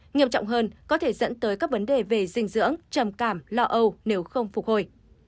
nghiêm trọng hơn có thể dẫn tới các vấn đề về dinh dưỡng trầm cảm lo âu nếu không phục hồi